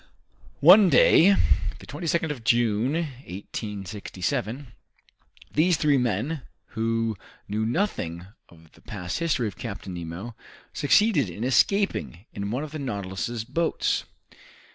One day, the 22nd of June, 1867, these three men, who knew nothing of the past history of Captain Nemo, succeeded in escaping in one of the "Nautilus's" boats.